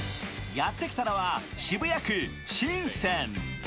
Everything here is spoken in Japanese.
やってきたのは、渋谷区神泉。